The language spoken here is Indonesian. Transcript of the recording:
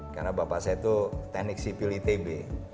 karena bapak saya itu teknik sipil itb